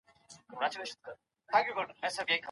چي پر مځکه خوځېدله د ده ښکار و